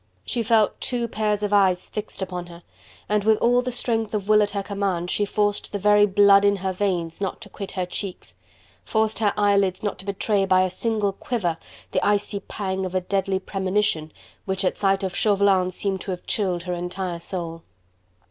She felt two pairs of eyes fixed upon her, and with all the strength of will at her command she forced the very blood in her veins not to quit her cheeks, forced her eyelids not to betray by a single quiver the icy pang of a deadly premonition which at sight of Chauvelin seemed to have chilled her entire soul.